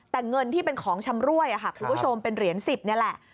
แต่เงินที่เป็นของชำรวยคุณผู้ชมเป็นเหรียญ๑๐นี่แหละ